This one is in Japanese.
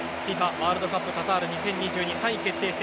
ワールドカップカタール２０２２、３位決定戦